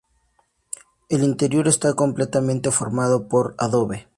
El interior está completamente formado por adobe.